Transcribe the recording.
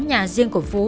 nhà riêng của phú